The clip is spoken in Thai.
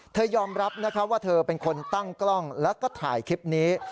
ยอมรับนะคะว่าเธอเป็นคนตั้งกล้องแล้วก็ถ่ายคลิปนี้